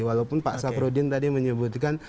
walaupun pak safruddin tadi menyebutkan